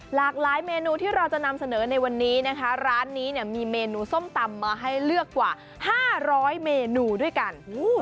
หลากหลายเมนูที่เราจะนำเสนอในวันนี้นะคะร้านนี้เนี่ยมีเมนูส้มตำมาให้เลือกกว่า๕๐๐เมนูด้วยกัน